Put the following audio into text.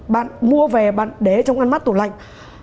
bạn mua về bạn để trong ngăn mát tủ lạnh